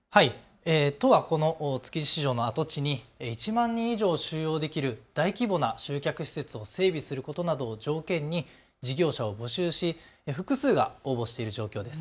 都はこの築地市場の跡地に１万人以上を収容できる大規模な集客施設を整備することなどを条件に事業者を募集し複数が応募している状況です。